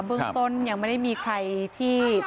เบื้องต้นยังไม่ได้มีใครที่